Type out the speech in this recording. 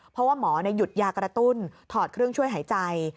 เพราะว่าหมอหยุดยากระตุ้นถอดเครื่องช่วยหายใจ